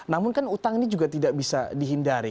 namun kan utang ini juga tidak bisa dihindari